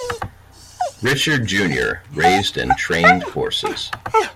Richard Junior raised and trained horses.